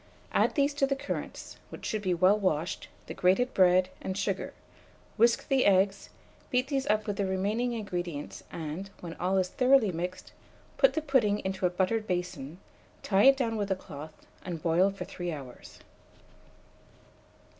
add to these the currants, which should be well washed, the grated bread, and sugar; whisk the eggs, beat these up with the remaining ingredients, and, when all is thoroughly mixed, put the pudding into a buttered basin, tie it down with a cloth, and boil for 3 hours.